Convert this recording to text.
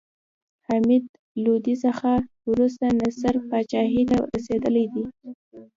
حمید لودي څخه وروسته نصر پاچاهي ته رسېدلى دﺉ.